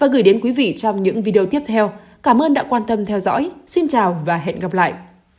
xin chào và hẹn gặp lại